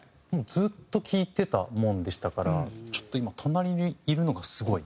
ずっと聴いてたもんでしたからちょっと今隣にいるのがすごい。